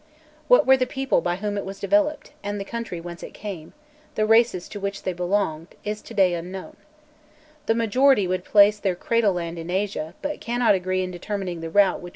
What were the people by whom it was developed, the country whence they came, the races to which they belonged, is to day unknown. The majority would place their cradle land in Asia,[*] but cannot agree in determining the route which was followed in the emigration to Africa.